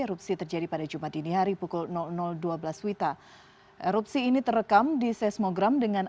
erupsi terjadi pada jumat dini hari pukul dua belas wita erupsi ini terekam di seismogram dengan